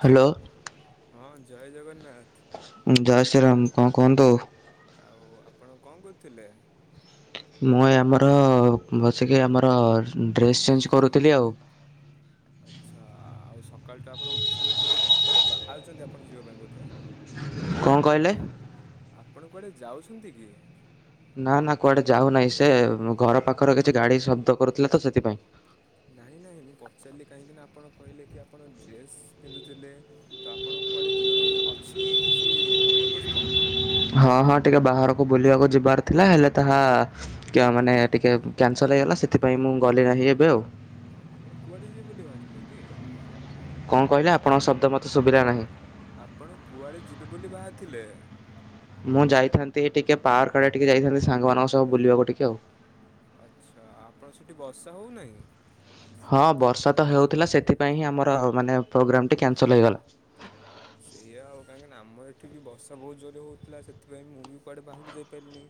Hello. ହଁ ଜୟ ଜଗନ୍ନାଥ। [unintelligible] [unintelligible] କଣ କୁହନ୍ତୁ? ଆଉ ଆପଣ କଣ କରୁଥିଲେ? ମୁଁଇ ଆମର ବସିକି ଆମର ଡ୍ରେସ୍ ଚେଞ୍ଜ କରୁଥିଲି ଆଉ। ସକାଳୁ ତ ଆପଣ ଉଠି ସାରିଲେଣି ବୋଧେ, କୁଆଡ଼େ ବାହାରୁଛନ୍ତି ଆପଣ ଯିବା ପାଇଁ ବୋଧେ। କଣ କହିଲେ? ଆପଣ କୁଆଡ଼େ ଯାଉଛନ୍ତି କି? ନା ନା କୁଆଡେ ଯାଉନାହିଁ ସେ ଘର ପାଖରେ କିଛି ଗାଡି ଶବ୍ଦ କରୁଥିଲେ ତ ସେଥିପାଇଁ ନାହିଁ ନାହିଁ ମୁଁ ପଚାରିଲି କାହିଁକି ନା, ଆପଣ କହିଲେ କି ଆପଣ ଡ୍ରେସ୍ ପିନ୍ଧୁଥିଲେ ତ ଆପଣ କୁଆଡ଼େ ଯିବା ପାଇଁ ଅଛି କି କିଛି ବ୍ୟବସ୍ଥା। ହଁ ହଁ ଟିକେ ବାହାରକୁ ବୁଲିବାକୁ ଯିବାର ଥିଲା ହେଲେ ତାହା କ୍ୟା ମାନେ ଟିକେ କ୍ୟାନସଲ ହେଇଗଲା ସେଥିପାଇଁ ମୁଁ ଗଲି ନାହିଁ ଏବେ ଆଉ। ଆପଣ କୁଆଡ଼େ ଯିବେ ବୋଲି ବାହାରିଥିଲେ କି? କଣ କହିଲେ? ଆପଣଙ୍କ ଶବ୍ଦ ମତେ ଶୁଭିଲା ନାହିଁ। ଆପଣ କୁଆଡେ ଯିବେ ବୋଲି ବାହାରିଥିଲେ? ମୁଁ ଯାଇଥାନ୍ତି ଟିକେ ପାର୍କ କଡେ ଟିକେ ଯାଇଥାନ୍ତି ସାଙ୍ଗ ମାନଙ୍କ ସହ ସବୁ ବୁଲିବାକୁ ଟିକେ ଆଉ। ଆଚ୍ଛା ଆପଣ ସେଠି ବର୍ଷା ହଉନାହିଁ? ହଁ ବର୍ଷା ତ ହେଉଥିଲା ସେଥିପାଇଁ ହିଁ ଆମର ମାନେ ପ୍ରୋଗ୍ରାମ ଟି କ୍ୟାନସଲ ହେଇଗଲା। ଉଠିକି ବଷା ବହୁତ ଜୋରେ ହେଉଥିଲା ସେଥିପାଇଁ ମୁଁ ବି କୁଆଡ଼େ ବାହାରକୁ ଯାଇପାରିଲିନି,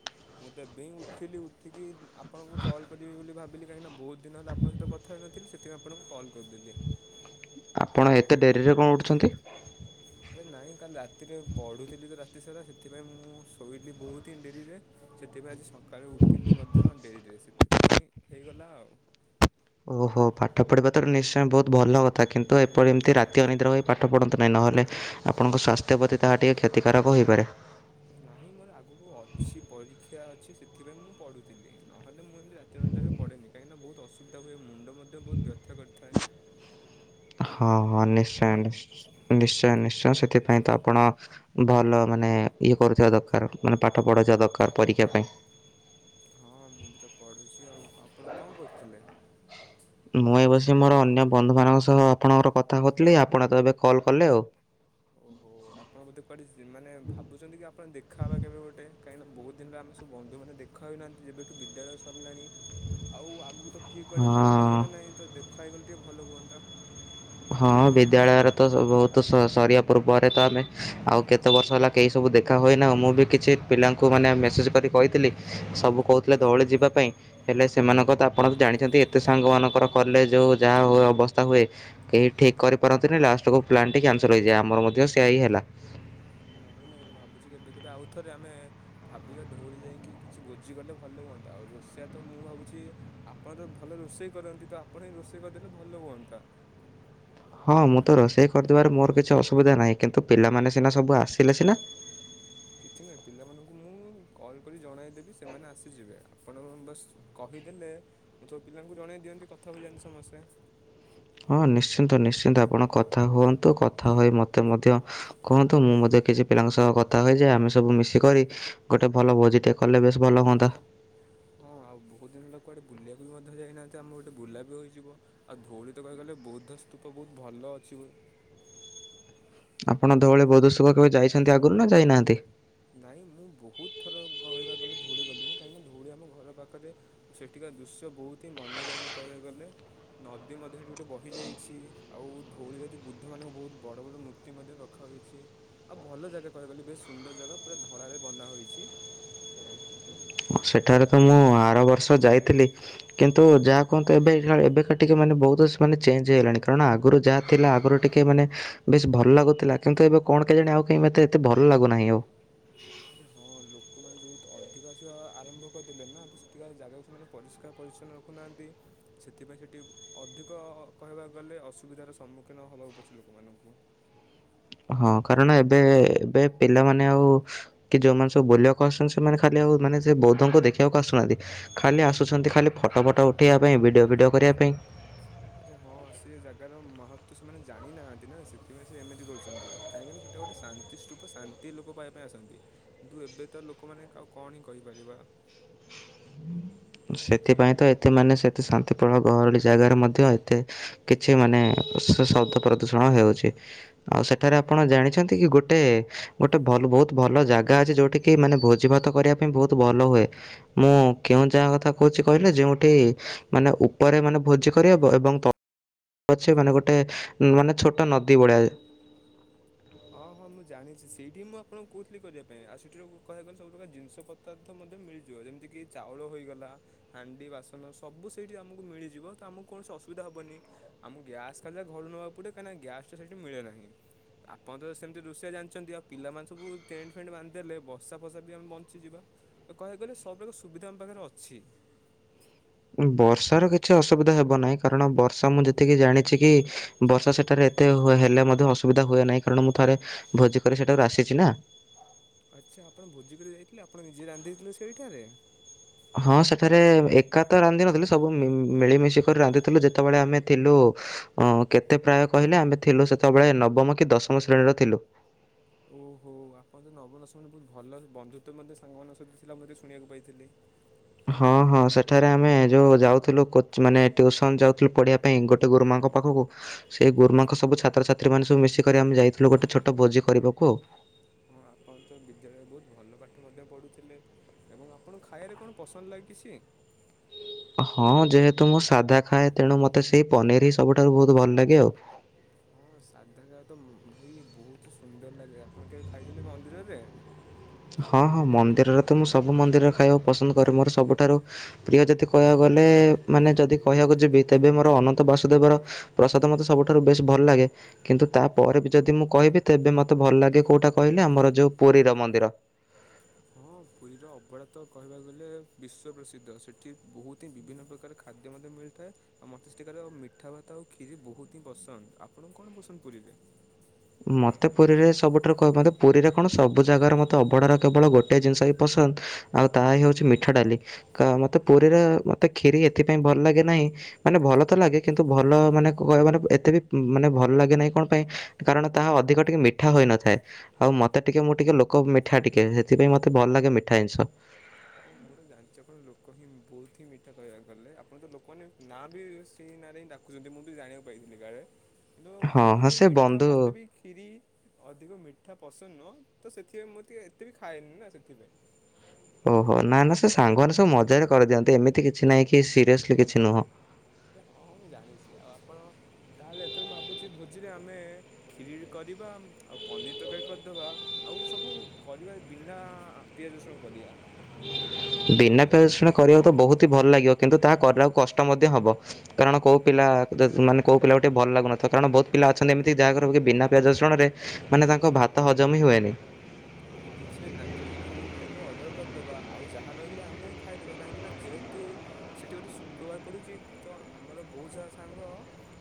ମୁଁ ତ ଏବେ ହିଁ ଉଠିଲି ଉଠିକି। ଆପଣଙ୍କୁ କଲ୍ କରିବି ବୋଲି ଭାବି ବୋଲି କାହିଁକିନା ବହୁତ ଦିନ ହେଲା ଆପଣଙ୍କ ସହିତ କଥା ହେଇନଥିଲି ସେଥିପାଇଁ ଆପଣଙ୍କୁ କଲ୍ କରିଦେଲି। ଆପଣ ଏତେ ଡେରିରେ କଣ ଉଠୁଛନ୍ତି? ଆରେ ନାଇଁ କାଲି ରାତିରେ ପଢ଼ୁଥିଲି ତ ରାତି ସାରା ସେଥିପାଇଁ ମୁଁ ଶୋଇନି ବହୁତ ହିଁ ଡେରିରେ ସେଥିପାଇଁ ଆଜି ସ ସକାଳେ ଉଠିଲି ମଧ୍ୟ ଡେରିରେ ସେ ଏଥିପାଇଁ ହେଇଗଲା ଆଉ। ଓହୋ ପାଠ ପଢ଼ିବା ତ ନିଶ୍ଚୟ ବହୁତ ଭଲ କଥା କିନ୍ତୁ ଏପରି ଏମିତି ରାତି ଅନିଦ୍ରା ହୋଇ ପାଠ ପଢ଼ନ୍ତୁ ନାହିଁ ନହେଲେ ଆପଣଙ୍କ ସ୍ୱାସ୍ଥ୍ୟ ପ୍ରତି ତାହା ଟିକେ କ୍ଷତିକାରକ ହୋଇପାରେ। ନାହିଁ ମୋର ଆଗକୁ ଅଛି ପରୀକ୍ଷା ଅଛି ସେ ଏଥିପାଇଁ ମୁଁ ପଢୁଥିଲି। ନହେଲେ ମୁଁ ଏମିତି ରାତି ନବେ ପଢ଼େନି କାହିଁକିନା ବହୁତ ଅସୁବିଧା ହୁଏ ମୁଣ୍ଡ ମଧ୍ୟ ବହୁତ ବ୍ୟଥ କରିଥାଏ। ହଁ ହଁ ନିଶ୍ଚୟ ନି ନିଶ୍ଚୟ ନିଶ୍ଚୟ ସେ ସେଥିପାଇଁ ତ ଆପଣ ଭଲ ମାନେ ଇଏ କରୁ ଦରକାର, ମାନେ ପାଠ ପଢ଼ାଉିବା ଦରକାର ପରୀକ୍ଷା ପାଇଁ। ହଁ ମୁଁ ବି ତ ପଢୁଛି। ଆଉ ଆପଣ କଣ କରୁଥିଲେ? ମୁଁ ଏ ବସି ମୋର ଅନ୍ୟ ବନ୍ଧୁ ମାନଙ୍କ ସହ ଆପଣଙ୍କର କଥା କଥିଲି। ଆପଣ ତ ଏବେ କଲ କଲେ ଆଉ। ଓହୋ ଆପଣ ବୋଧେ କୁଆଡେ ମାନେ ଭାବୁଛନ୍ତି କି ଆପଣ ଦେଖାହେବା କେବେ ଗୋଟେ। କାହିଁକିନା ବହୁତ ଦିନରେ ଆମେ ସବୁନ୍ଧୁମାନେ ଦେଖାହଇନାହାନ୍ତି, ଯେବେଠୁ ବିଦ୍ୟାଳୟ ସରିଲାଣି ଆଉ ଆଗକୁ ତ କିଏ କୁଆଡେ ପଳେଇବ ହଁ ଜଣା ନାହିଁ ତ ଦେଖ ଖାଇ ଗଲେ ଟିକେ ଭଲ ହୁଅନ୍ତା। ହଁ ବିଦ୍ୟାଳୟରେ ତ ବହୁତ ସରିବା ପୂର୍ବରେ ତ ଆମେ ଆଉ କେତେ ବର୍ଷ ହେଲା କେହି ସବୁ ଦେଖା ହୁଏନାଁ। ମୁଁ ବି କିଛି ପିଲାଙ୍କୁ ମାନେ ମେସେଜ କରି କହିଥିଲି ସବୁ କହୁଥିଲେ ଦଉଳି ଯିବା ପାଇଁ। ହେଲେ ସେମାନଙ୍କ ତ ଆପଣ ତ ଜାଣିଛନ୍ତି ଏତେ ସାଙ୍ଗମାନଙ୍କର କଲେ ଯେଉଁ ଯାହା ହ ଅବସ୍ଥା ହୁଏ। କେହି ଠିକ କରିପାରନ୍ତିନି ଲାଷ୍ଟକୁ ପ୍ଲାନ୍ଟି କ୍ୟାନସଲ ହେଇଯାଏ। ଆମର ମଧ୍ୟ ସେୟଆ ହିଁ ହେଲା। ନାଇଁ ନାଇଁ ମୁଁ ଭାବୁଛି। କେବେ କେବେ ଆଉଥରେ ଆମେ ଭାବିବା ଧଉଳି ଯାଇକି କିଛି ଭୋଜି କଲେ ଭଲ ହୁଅନ୍ତା। ଆଉ ରୋଷେଇଆ ତ ମୁଁ ଭାବୁଛି ଆପଣ ତ ଭଲ ରୋଷେଇ କରନ୍ତି ତ ଆପଣ ହିଁ ରୋଷେଇ କରିଦେଲେ ଭଲ ହୁଅନ୍ତା। ହଁ, ମୁଁ ତ ରୋଷେଇ କରିଦେବାର ମୋର କିଛି ଅସୁବିଧା ନାହିଁ। କିନ୍ତୁ, ପିଲାମାନେ ସିନା ସବୁ ଆସିଲେ ସିନା କିଛି ନୁହେଁ ପିଲାମାନଙ୍କୁ ମୁଁ କଲ୍ କରି ଜଣାଇଦେବି ସେମାନେ ଆସିଯିବେ। ଆପଣ ବସ୍ କହିଦେଲେ, ମୁଁ ତ ପିଲାଙ୍କୁ ଜଣାଇ ଦିଅନ୍ତି କଥା ହୋଇଯାଆନ୍ତି ସମସ୍ତେ। ହଁ ନିଶ୍ଚିନ୍ତ ନିଶ୍ଚିନ୍ତ, ଆପଣ କଥା ହୁଅନ୍ତୁ। କଥା ହୋଇ ମତେ ମଧ୍ୟ କୁହନ୍ତୁ। ମୁଁ ମଧ୍ୟ କିଛି ପିଲାଙ୍କ ସହ କଥା ହୁ, ଯେ ଆମେ ସବୁ ମିଶିକରି ଗୋଟେ ଭଲ ଭୋଜି ଟେ କଲେ ବେଶ ଭଲ ହୁଅନ୍ତା। ହଁ, ଆଉ ବହୁତ ଦିନ ହେଲା କୁଆଡେ ବୁଲିବାକୁ ବି ମଧ୍ୟ ଯାଇନାହାନ୍ତି। ଆମର ଗୋଟେ ବୁଲା ବି ହୋଇଇଯିବ, ଆଉ ଧଉଳି ତ କହିଗଲେ ବୌଦ୍ଧ ସ୍ତୂପ ବହୁତ ଭଲ ଅଛି। ଆପଣ ଧଉଳି ବଧୁସୁଖ କେବେ ଯାଇଛନ୍ତି ଆଗରୁ ନା ଯାଇନାହାନ୍ତି? ନାଇଁ ମୁଁ ବହୁତ ଥର କହିବାକୁ ଗଲି ଧଉଳି ଗଲିଣି। କାହିଁକିନା ଧଉଳି ଆମ ଘର ପାଖରେ ସେଠିକା ଦୃଶ୍ୟ ବହୁତ ହିଁ ମନୋରମ କହିବାକୁ ଗଲେ। ନଦୀ ମଧ୍ୟ ସେଠି ଗୋଟେ ବହି ଯାଇଛି। ଆଉ ଧଉଳି ଯଦି ବୁଦ୍ଧ ମାନଙ୍କୁ ବହୁତ ବଡ ବଡ ମୂର୍ତ୍ତି ମଧ୍ୟ ରଖାହୋଇଛି। ଆଉ ଭଲ ଜାଗା କହିବାକୁ ଗଲେ ବେଶ ସୁନ୍ଦର ଜାଗା। ପା ଧଳାରେ ବନ୍ଧା ହୋଇଛି। ହ ସେଠାରେ ତ ମୁଁ ଆର ବର୍ଷ ଯାଇଥିଲି। କିନ୍ତୁ ଯାହା କୁହନ୍ତୁ ଏବେ ଏବେକା ଟିକେ ମାନେ ବହୁତ ମାନେ ଚେଞ୍ଜ ହେଇଗଲାଣି। କାରଣ ଆଗରୁ ଯାହା ଥିଲା ଆଗରୁ ଟିକିେ ମାନେ ବେଶ ଭଲ ଲାଗୁଥିଲା। କିନ୍ତୁ ଏବେ କଣ କେହି ଜାଣି ଆଉ କେହି, ମୋତେ ଏତେ ଭଲ ଲାଗୁନାହିଁ ଆଉ। ହଁ ଲୋକମାନୋନ ଯୋଉତ ଅଧିକ ଆସିବା ଆରମ୍ଭ କରିଦେଲେ, ନା ତ ସେଠିକା ଜାଗାକୁ ସେମାନେ ପରିଷ୍କାର ପରିଚଛନ୍ନ ରଖୁନାହାନ୍ତି। ସେଥିପାଇଁ, ସେଠି ଅଧିକ କହିବାକୁ ଗଲେ ଅସୁବିଧାର ସମ୍ମୁଖୀନ ହବାକୁ ପଡୁଛି ଲୋକମାନଙ୍କୁ। ହଁ, କାରଣ ଏବେ ଏବେ ପିଲାମାନେ ଆଉ କି ଯେଉଁମାନେ ସବୁ ବୁଲିବାକୁ ଆସୁଛନ୍ତି। ସେମାନେ ଖାଲି ଆଉ ମାନେ ସେ ବୌଦ୍ଧଙ୍କୁ ଦେଖିବାକୁ ଆସୁନାହାନ୍ତି ଖାଲି ଆସୁଛନ୍ତି ଖାଲି ଫଟୋ ଫଟୋ ଉଠେଇବା ପାଇଁ। ଭିଡ଼ିଓ ଫିଡ଼ିଓ କରିବା ପାଇଁ। ଆରେ ହଁ, ସେ ଜାଗାର ମହତ୍ଵ ସେମାନେ ଜାଣି ନାହାନ୍ତି ନା ସେଥିପାଇଁ ସେ ଏମିତି କରୁଛନ୍ତି। କାହିଁକିନା ସେଟା ଗୋଟେ ଶାନ୍ତି ସ୍ତୁପ ଶାନ୍ତି ଲୋକ ପାଇବା ପାଇଁ ଆସନ୍ତି। କିନ୍ତୁ ଏବେ ତ ଲୋକମାନେ ଆଉ କଣ ହିଁ କହିପାରିବା। ସେଥିପାଇଁ ତ ଏତେ ମାନେ ସେତେ ଶାନ୍ତିପ୍ରଳ ଗହଳି ଜାଗାରେ ମଧ୍ୟ ଏତେ କିଛି ମାନେ ଶବ୍ଦ ପ୍ରଦୂଷଣ ହେଉଛି। ଆଉ ସେଠାରେ ଆପଣ ଜାଣିଛନ୍ତି କି ଗୋଟେ ଗୋଟେ ଭଲ ବହୁତ ଭଲ ଜାଗା ଅଛି? ଯୋଉଠ କିି ମାନେ ଭୋଜିଭାତ କରିବା ପାଇଁ ବହୁତ ଭଲ ହୁଏ ମୁଁ କେଉଁ ଜାଗ କହୁଛି କହିଲେ। ଯୋଉଠି ମାନେ ଉପରେ ମାନେ ଭୋଜି କରିବା ଏବଂ ତ ଅଛି ମାନେ ଗୋଟେ ମାନେ ଛୋଟ ନଦୀ ଭଳିଆ ହଁ ହଁ ମୁଁ ଜାଣିଛି। ସେଇଠି ମୁଁ ଆପଣଙ୍କୁ କହୁଥିଲି କରିବା ପାଇଁ ଆଉ ସେଇଠି କହିବାକୁ ଗଲେ ସବୁ ପ୍ର୍ରକାର ଜିନିଷ ପତାର୍ଥ ମଧ୍ୟ ମିଳିଯିବ ଯେମିତିକି ଚାଉଳ ହୋଇଗଲା। ହାଣ୍ଡି ବାସନ ସବୁ ସେଇଠି ଆମକୁ ମିଳିଯିବ। ତ ଆମକୁ କୌଣସି ଅସୁବିଧା ହେବନି। ଆମକୁ ଗ୍ୟାସ୍ ଖାିଲା ଘରୁ ନେବାକୁ ପଡ଼େ କାହିଁକିନା ଗ୍ୟାସ୍ଟା ସେଇଠି ମିଳେ ନାହିଁ। ଆପ ସେମିତି ରୁଷିଆ ଜାଣିଛନ୍ତି। ଆଉ ପିଲାମାନେ ସବୁ ଟେଣ୍ଟ ଫେଣ୍ଟ ବାନ୍ଧିଦେଲେ। ବସା ଫସା ବି ଆମେ ବଞ୍ଚିଯିବା। ତ କହିବାକୁ ଗଲେ ସବୁ ପ୍ରକାର ସୁବିଧା ଆମ ପାଖରେ ଅଛି। ବର୍ଷାର କିଛି ଅସୁବିଧା ହେବ। ନାହିଁ କାରଣ ବର୍ଷା ମୁଁ ଯେତିକି ଜାଣିଛି, କି ବର୍ଷା ସେଠାରେ ଏତେ ହେଲେ ମଧ୍ୟ ଅସୁବିଧା ହୁଏ ନାହିଁ। କାରଣ ମୁଁ ଥରେ ଭୋଜି କରି ସେଠାାରୁ ଆସିଛି ନା। ଆଚ୍ଛା ଆପଣ ଭୋଜି କରି ଯାଇଥିଲେ ଆପଣ ନିଜେ ରାନ୍ଧିଥିଲେ ସେ ଏଇଠାରେ। ହଁ ସେଠାରେ ଏକା ତ ରାନ୍ଧିନଥିଲୁ। ସବୁ ମିଳିମିଶି କରି ରାନ୍ଧିଥିଲୁ। ଯେତେବେଳେ ଆମେ ଥିଲୁ କେତେ ପ୍ରାୟ କହିଲେ, ଆମେ ଥିଲୁ ସେତେବେଳେ ନବମ କି ଦଶମ ଶ୍ରେଣୀର ଥିଲୁ। ଓହୋ ଆପଣ ତ ନବ ଦଶମଣୀ ବହୁତ ଭଲ ବନ୍ଧୁତଵ ମଧ୍ୟ ସାଙ୍ଗମାନାନଙ୍କ ସହିତ ଥିଲା ମଧ୍ୟ ଶୁଣିବାକୁ ପାଇଥିଲେ। ହଁ ହଁ, ସେଠାରେ ଆମେ ଯୋଉ ଯାଉଥିଲୁ ମାନେ ଟ୍ୟୁସନ ଯାଉଥିଲୁ। ପଢିବା ପାଇଁ ଗୋଟେ ଟେ ଗୋରୁମାଙ୍କ ହୁଁ ପାଖକୁ। ସେ ଗୁରୁମାଙ୍କ ସବୁ ଛାତ୍ରଛାତ୍ରୀମାନେ ସବୁ ମିଶିକରି ଆମେ ଯାଇଥିଲୁ। ଗୋଟେ ଛୋଟ ଭୋଜି କରିବାକୁ ଆଉ। ହଁ ଆପଣ ତ ବିଦ୍ୟାଳୟରେ ବହୁତ ଭଲ ପାଠ ମଧ୍ୟ ପଢୁଥିଲେ, ଏବଂ ଆପଣଙ୍କୁ ଖାଇବାରେ କଣ ପସନ୍ଦ ଲାଗିଛି। ହଁ ଯେହେତୁ, ମୁଁ ସାଧା ଖାଏ ତେଣୁ ମତେ ସେଇ ପନିର ହି ସବୁଠାରୁ ବହୁତ ଭଲ ଲାଗେ ଆଉ। ହଁ ସାଧା ଖା ତ ଭାଇ ବହୁତ ହି ସୁନ୍ଦର ଲାଗେ। ଆପଣ କେବେ ଖାଇଛନ୍ତି ମନ୍ଦିରରେ? ହଁ ହଁ ମନ୍ଦିରରେ ତ ମୁଁ ସବୁ ମନ୍ଦିର ଖାଇବାକୁ ପସନ୍ଦ କରେ। ମୋର ସବୁଠାରୁ ପ୍ରିୟ ଯଦି କହିବାକୁ ଗଲେ ମାନେ ଯଦି କହିବାକୁ ଯିବି ତେବେ ମୋର ଅନନ୍ତ ବାସୁଦେବର ପ୍ରସାଦ ମତେ ସବୁଠାରୁ ବେଶ ଭଲ ଲାଗେ। କିନ୍ତୁ ତାପରେ ବି ଯଦି ମୁଁ କହିବି ତେବେ, ମତେ ଭଲ ଲାଗେ କୋଉଟା କହିଲେ ଆମର ଯୋଉ ପୁରୀର ମନ୍ଦିର। ହଁ, ପୁରୀର ଅବହଳା ତ କହିବାକୁ ଗଲେ ବିଶ୍ଵ ପ୍ରସିଦ୍ଧ। ସେଠି ବହୁତ ହିଁ ବିଭିନ୍ନ ପ୍ରକାର ଖାଦ୍ୟ ମଧ୍ୟ ମିଳିଥାଏ, ଆଉ ମତେଷ୍ଟଠିକାର ମିଠା ଭାତ ଆଉ କ୍ଷୀରି ବହୁତ ହିଁ ପସନ୍ଦ। ଆପଣ କଣ ବସନ୍ଦ ପୁରୀରେ? ମତେ ପୁରୀରେ ସବୁଠାରୁ କହ ମତେ ପୁରୀରେ କଣ ସବୁ ଜାଗାର ମତେ ଅବଢାର କେବଳ ଗୋଟଏ ଜିନିଷ ହିଁ ପସନ୍ଦ ଆଉ ତାହା ହି ହଉଛି ମିଠା ଡାଲି। ମତେ ପୁରୀରେ ମତେ କ୍ଷୀରି ଏଥିପାଇଁ ଭଲ ଲାଗେ ନାହିଁ। ମାନେ ଭଲ ତ ଲାଗେ କିନ୍ତୁ ଭଲ ମାନେ କହ ମାନେ ଏତେ ବି ମାନେ ଭଲ ଲାଗେ ନାହିଁ କଣ ପାଇଁ କାରଣ ତାହା ଅଧିକ ଟିକେ ମିଠା ହୋଇନଥାଏ। ଆଉ ମୋତେ ଟିକେ ମୁଁ ଟିକେ ଲୋକ ମିଠା ଟିକେ, ସେଥିପାଇଁ ମୋତେ ଭଲ ଲାଗେ ମିଠା ଜିନିଷ। ହଁ, ମଁର ଜାଣିଞ୍ଚ କଣ ଲୋକ ହିଁ ବହୁତ। ଏଠ ମିଠା କହିବାକୁ ଗଲେ। ଆପଣ ତ ଲୋକମାନେ ନାଁ ବି ସେଇ ନାଁରେ ହିଁ ଡାକୁଛନ୍ତି ମୁଁ ବି ଜଣିବାକୁ ପାଇଥିଲି ଗାରେ। କିନ୍ତୁ ହଁ ପୁରୀରେ ହଁ ଯୋଉ ସେ ମିଠା ବନ୍ଧୁ ମତେ ବି କ୍ଷିରି ଅଧିକ ମିଠା ପସନ୍ଦ ନୁହଁ ତ ସେଥିପାଇଁ ମୁଁ ଟିକେ ଏତେ ବି ଖାଏନି ନା ସେଥିପାଇଁ। ଓହୋ ନା ନା ସେ ସାଙ୍ଗମାନେ ସବୁ ମଜାରେ କରିଦିଅନ୍ତି। ଏମିତି କିଛି ନାହିଁ କି ସିରିଅସଲି କିଛି ନୁହଁ। ରେ ହଁ ହଁ ମୁଁ ଜାଣିଛି ଆଉ ଆପଣ ତାହେଲେ ଏଥର ମୁଁ ଭାବୁଛି ଭୋଜିରେ ଆମେ ଖିରି କରିବା ଆଉ ପନିର ତରକାରୀ କରିଦବା ଆଉ ସବୁ କରିବା ବିନା ପିଆଜ ରସଣ କରିବା। ବିନା ପିଆଜ ରସୁଣ କରିବାକୁ ତ ବହୁତ ହି ଭଲ ଲାଗିବ। କିନ୍ତୁ ତାହା କରିବାକୁ କଷ୍ଟ ମଧ୍ୟ ହବ। କାରଣ କୋଉ ପିଲା ମାନେ କୋଉ ପିଲା ଗୋଟେ ଭଲ ଲାଗୁନଥିବ କାରଣ ବହୁତ ପିଲା ଅଛନ୍ତି ଏମିତି ଯାହାଘରେ କି ବିନା ପିଆଜ ରସୁଣ ରେ ମାନେ ତାଙ୍କ ଭାତ ହଜମ ହି ହୁଏନି। ଆରେ କିଛି ନାହିଁ ତାଙ୍କ ପାଇଁ ଆମେ ହୋଟେଲରୁୁ ଅର୍ଡର କରିଦେବା। ଆଉ ଯାହା ରହିଲା ଆମେ ଖାଇଦେବା। କାହିଁକିନା ଯେହେତୁ ସେଠି ଗୋଟେ ଶୁକ୍ରବାର ପଡ଼ୁଚି ତ ଆମର ବହୁତ ସାରା ସାଙ୍ଗ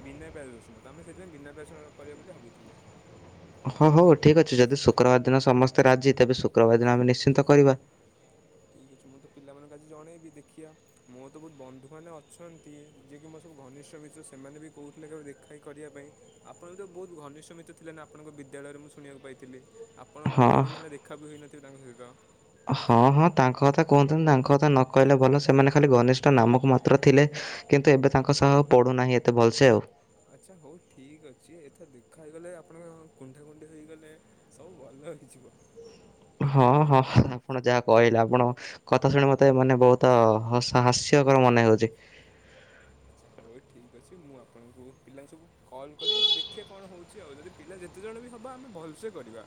ବିନା ପିଆଜ ରସୁଣ ତ ଆମେ ସେଥିପାଇଁ ବିନା ପିଆଜ ରସୁଣ ରେ କରିବା ବୋଲି ଭାବୁଥିଲେ। ହଁ ହଉ ଠିକ ଅଛି। ଯଦି ଶୁକ୍ରବାର ଦିନ ସମସ୍ତେ ରାଜି ତେବେ ଶୁକ୍ରବାର ଦିନ ଆମେ ନିଶ୍ଚିନ୍ତ କରିବା। ଠିକ ଅଛି। ମୁଁ ତ ପିଲାମାନଙ୍କୁ ଆଜି ଜଣେଇବି ଦେଖିବା ମୋର ତ ବହୁତ ବନ୍ଧୁ ମାନେ ଅଛନ୍ତି ଯିଏକି ମୋର ସବୁ ଘନିଷ୍ଠ ମିତ୍ର ସେମାନେ ବି କହୁଥିଲେ କେବେ ଦେଖା ହେଇ କରିବା ପାଇଁ ଆପଣ ବି ତ ବହୁତ ଘନିଷ୍ଠ ମିତ୍ର ଥିଲେ ନା ଆପଣଙ୍କ ବିଦ୍ୟାଳୟରେ ମୁଁ ଶୁଣିବାକୁ ପାଇଥିଲି। ଆପଣ ହଁ ବହୁତ ଦିନ ହେଲା ଦେଖା ବି ହୋଇନଥିଲେ ତାଙ୍କ ସହିତ। ର ହଁ ହଁ ତାଙ୍କ କଥା କହନ୍ତୁନି। ତାଙ୍କ କଥା ନ କହିଲେ ଭଲ। ସେମାନେ ଖାଲି ଘନିଷ୍ଠ ନାମକୁ ମାତ୍ର ଥିଲେ। କିନ୍ତୁ ଏବେ ତାଙ୍କ ସହ ପଡୁନାହିଁ ଏତେ ଭଲସେ ଆଉ। ଆଚ୍ଛା। ହଉ ଠିକ ଅଛି। ଏଥର ଦେଖା ହେଇଗଲେ ଆପଣଙ୍କ କୁଣ୍ଢା କୁଣ୍ଢି ହୋଇଗଲେ ସବୁ ଭଲ ହେଇଯିବ। ହଁ ହଁ ଆପଣ ଯାହା କହିଲେ ଆପଣ କଥା ଶୁଣି ମତେ ମାନେ ବହୁତ ହସ ହାସ୍ୟକର ମନେ ହଉଚି। ଆଚ୍ଛା। ହଉ ଠିକ୍ ଅଛି। ମୁଁ ଆପଣଙ୍କୁ ପିଲାଙ୍କୁ ସବୁ କଲ୍ କରି ଦେଖେ କଣ ହଉଚି ଆଉ ଯଦି ପିଲା ଯେତେଜଣ ବି ହବ ଆମେ ଭଲସେ କରିବା।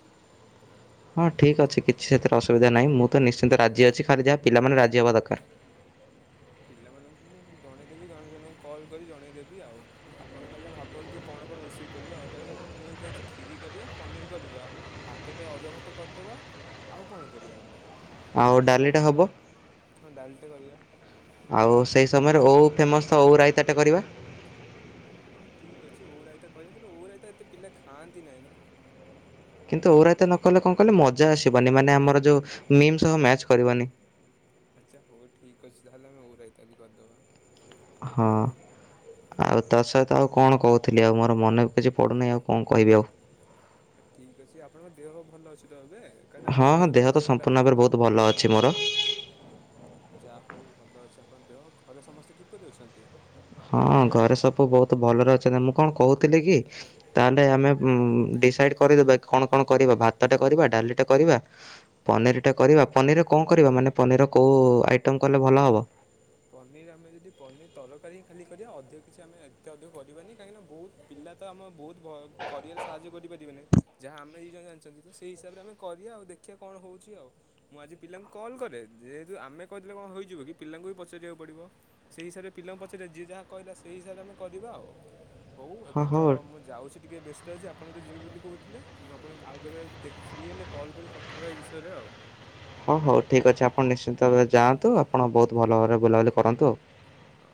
ହଁ ଠିକ୍ ଅଛି। କିଛି ସେଥିରେ ଅସୁବିଧା ନାହିଁ। ମୁଁ ତ ନିଶ୍ଚିନ୍ତ ରାଜି ଅଛି ଖାଲି ଯାହା ପିଲାମାନେ ରାଜି ହେବା ଦକାର। ପିଲାମାନଙ୍କୁ ମୁଁ ଜଣେଇଦେବି ଜଣ ଜଣଙ୍କୁ କଲ୍ କରି ଜଣେଇଦେବି ଆଉ ଆପଣ ଖାଲି ଯୂ ଭାବନ୍ତୁ କଣ କଣ ରୋଷେଇ କରିବା ଆଉ କାହିଁକିନା ମୁଁ ଯେତିକି ଜାଣିଚି କ୍ଷୀରି କରିବା ପନିର କରିବା ଭାତଟେ ଅରୁଆ ଭାତ କରିଦେବା। ଆଉ କଣ କରିବା ଆମେ? ଆଉ ଡାଲିଟା ହବ। ହଁ ଡାଲିଟେ କରିବା। ଆଉ ସେଇ ସମୟରେ ଓଉ ଫେମସ୍ ତ ଓଉ ରାଇତାଟେ କରିବା। ହଁ ଠିକ ଅଛି ଓଉ ରାଇତା କରିବା। କିନ୍ତୁ ଓଉ ରାଇତା ଏତେ ପିଲା ଖାଆନ୍ତି ନାହିଁ ନା? କିନ୍ତୁ ଓଉ ରାଇତା ନ କଲେ କଣ କହିଲେ ମଜା ଆସିବନି। ମାନେ ଆମର ଯୋଉ ମିମ୍ ସହ ମ୍ୟାଚ କରିବନି। ଆଚ୍ଛା। ହଉ ଠିକ୍ ଅଛି। ତାହେଲେ ଆମେ ଓଉ ରାଇତା ବିି କରିଦବା। ହଁ ଆଉ ତା ସହିତ ଆଉ କଣ କହୁଥିଲି? ଆଉ ମୋର ମନେ କିଛି ପଡ଼ୁନାଇଁ। ଆଉ କଣ କହିବି ଆଉ? ଠିକ ଅଛି। ଆପଣଙ୍କ ଦେହ ପା ଭଲ ଅଛି? ତ ଏବେ। କାହିଁକି ନା ହଁ ଆପଣଙ୍କ ହଁ ଦେହ ତ ଜର ହୋଇଥିଲା ସମ୍ପୂର୍ଣ୍ଣ ଭାବରେ ଆପଣଙ୍କୁ ବହୁତ ଭଲ ଅଛି ମୋର ଯାହା ହଉ ଭଲ ଅଛ। କଣ ଦେହ। ଘରେ ସମସ୍ତେ କିପରି ଅଛନ୍ତି? ହଁ ଘରେ ସବୁ ବହୁତ ଭଲରେ ଅଛନ୍ତି। ମୁଁ କଣ କହୁଥିଲି କି? ତାହେଲେ ଆମେ ଉମ୍ ଡିସାଇଡ଼ କରିଦେବା। କଣ କଣ କରିବା? ଭାତଟେ କରିବା। ଡାଲିଟେ କରିବା। ପନିରଟା କରିବା। ପନିର ରେ କଣ କରିବା? ମାନେ ପନିର ର କୋଉ ଆଇଟମ୍ କଲେ ଭଲ ହବ। ପନିର ଆମେ ଯଦି ପନିର ତରକାରୀ ହିଁ ଖାଲି କରିବା ଅଧିକ କିଛି ଆମେ ଏତେ ଅଧିକ କରିବାନି। କାହିଁକି ନା ବହୁତ ପିଲା ତ ଆମ ବହୁତ ବ କରିବାରେ ସାହାଯ୍ୟ କରିପାରି ଯିବେ ନାଇ ଯାହା ଆମେ ଦି ଜଣ ଜାଣିଚନ୍ତି ତ ସେଇ ହିସାବରେ ଆମେ କରିବା ଆଉ ଦେଖିବା କଣ ହଉଚି ଆଉ ମୁଁ ଆଜି ପିଲାଙ୍କୁ କଲ୍ କରେ ଯେହେତୁ ଆମେ କହିଦେଲେ କଣ ହୋଇଯିବ କି ପିଲାଙ୍କୁ ବି ପଚା ରିବାକୁ ପଡିବ। ସେଇ ହିସାବରେ ପିଲାଙ୍କୁ ପଚାରିବା। ଯିଏ ଯାହା କହିଲା ସେଇ ହିସାବରେ ଆମେ କରିବା ଆଉ। ହଉ ହଁ ଏବେ ତ ହଉ ମୁଁ ଯାଉଛି ଟିକେ ବେସ୍ ତ ଅଛି ଆପଣ ତ ଯିବେ ବୋଲି କହୁଥିଲେ ମୁଁ ଆପଣଙ୍କୁ ଆଉ କେବେ ଦେଖ୍ ଫ୍ରି ହେଲେ କଲ୍ କରି କଥା ହେବା ଏ ବିଷୟରେ ଆଉ। ହ ହଉ ଠିକ ଅଛି। ଆପଣ ନିଶ୍ଚିନ୍ତ ଭାବରେ ଯାଆନ୍ତୁ ଆପଣ ବହୁତ ଭଲ ଭାବରେ ବୁଲାବୁଲି କରନ୍ତୁ। ହଁ।